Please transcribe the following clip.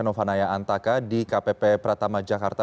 novanaya antaka di kpp pratama jakarta